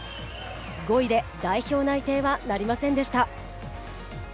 ５位で代表内定はなりませんでした。